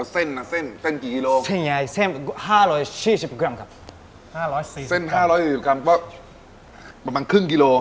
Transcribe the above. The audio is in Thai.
เส้น๕๔๐กรัมก็ประมาณครึ่งกิโล